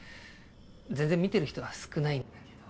全然見てる人は少ないんだけど。